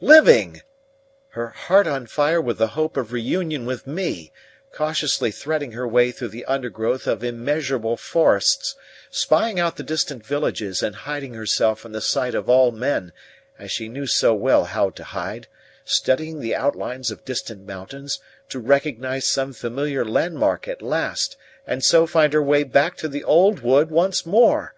Living! her heart on fire with the hope of reunion with me, cautiously threading her way through the undergrowth of immeasurable forests; spying out the distant villages and hiding herself from the sight of all men, as she knew so well how to hide; studying the outlines of distant mountains, to recognize some familiar landmark at last, and so find her way back to the old wood once more!